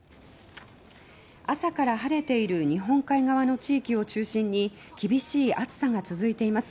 朝から晴れている日本海側の地域を中心に厳しい暑さが続いています。